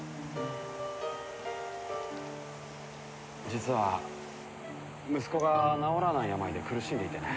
実は息子が治らない病で苦しんでいてね。